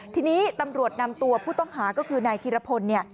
ทีนี้ตำรวจนำตัวผู้ต้องหาก็คือนายธีรพลเนี่ย